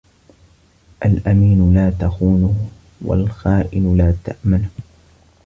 الأمين لا تخونه والخائن لا تأمنه.